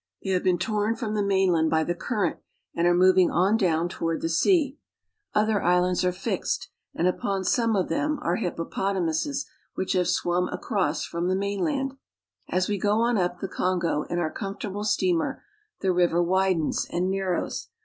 They have been torn from the mainland by the current, and are moving on down toward the sea. Other islands are fixed, and upon some of them are hippopotamuses I' which have swum across from the mainland. H As we go on up the Kongo in our comfortable steamer, I Rbe river widens and narrows.